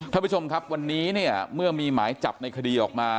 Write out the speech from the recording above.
ท่านผู้ชมครับวันนี้เนี่ยเมื่อมีหมายจับในคดีออกมา